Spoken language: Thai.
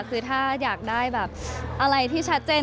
คือถ้าอยากได้แบบอะไรที่ชัดเจน